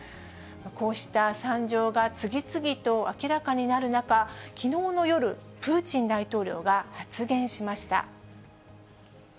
こうした惨状が次々と明らかになる中、きのうの夜、プーチン大統領が発言しました。